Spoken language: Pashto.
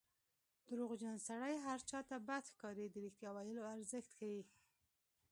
دروغجن سړی هر چا ته بد ښکاري د رښتیا ویلو ارزښت ښيي